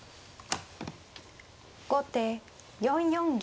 後手４四銀。